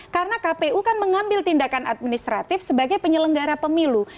karena kpu kan mengambil tindakan administratif sebagai penyelenggara pemilu